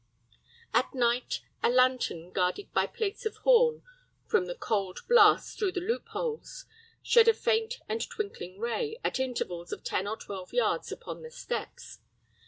At night, a lantern, guarded by plates of horn from the cold blasts through the loopholes, shed a faint and twinkling ray, at intervals of ten or twelve yards, upon the steps.